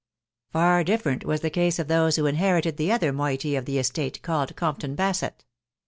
Far different was the case of those who inherited the other moiety of the estate, called Compton Basett.